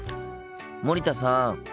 森田さん。